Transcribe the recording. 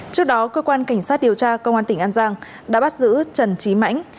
trước đó cơ quan cảnh sát điều tra công an tỉnh an giang đã bắt giữ trần trí mãnh